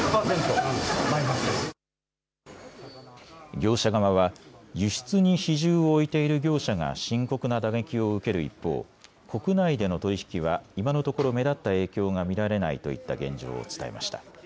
業者側は輸出に比重を置いている業者が深刻な打撃を受ける一方、国内での取り引きは今のところ目立った影響が見られないといった現状を伝えました。